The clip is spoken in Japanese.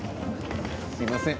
すみません。